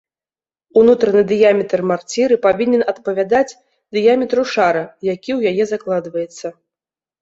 Унутраны дыяметр марціры павінен адпавядаць дыяметру шара, які ў яе закладваецца.